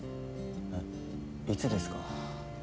えっいつですか？